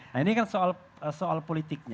nah ini kan soal politiknya